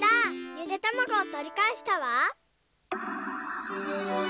ゆでたまごをとりかえしたわ。